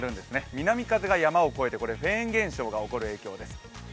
南風が山を越えてフェーン現象が起こる影響です。